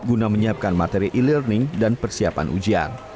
guna menyiapkan materi e learning dan persiapan ujian